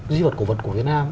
di vật cổ vật của việt nam